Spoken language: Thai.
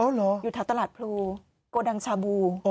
อ๋อเหรออยู่ทักตลาดพลูโกดังชาบูอ๋อ